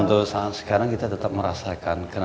untuk saat sekarang kita tetap merasakan